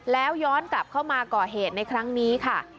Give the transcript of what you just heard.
แล้วย้อนกลับเข้ามาก่อเหตุในครั้งนี้ค่ะ